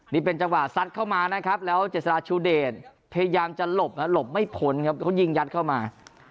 นี่เป็นจังหวะซัดเข้ามานะครับแล้วเจษฎาชูเดชพยายามจะหลบหลบไม่พ้นครับเขายิงยัดเข้ามา